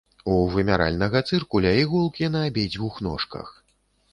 У вымяральнага цыркуля іголкі на абедзвюх ножках.